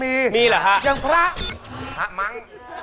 ไม่กินเป็นร้อย